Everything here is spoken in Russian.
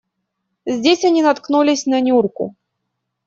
Здесь они наткнулись на Нюрку.